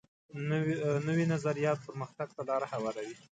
نوی نظریات پرمختګ ته لار هواروي